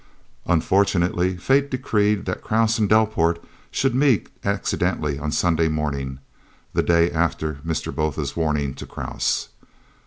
Unfortunately, Fate decreed that Krause and Delport should meet accidentally on Sunday morning, the day after Mr. Botha's warning to Krause.